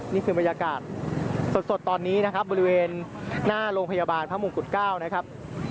นี่คือบรรยากาศสดตอนนี้นะครับบริเวณหน้าโรงพยาบาลพระมงกุฎเกล้านะครับ